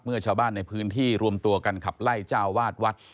ชาวบ้านในพื้นที่รวมตัวกันขับไล่เจ้าวาดวัด